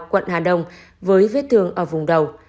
quận hà đông với vết thương ở vùng đầu